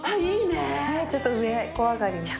ねえちょっと上小上がり。